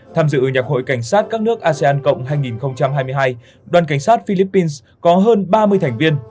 tham dự nhạc hội cảnh sát các nước asean cộng hai nghìn hai mươi hai đoàn cảnh sát philippines có hơn ba mươi thành viên